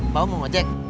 bapak mau ngajak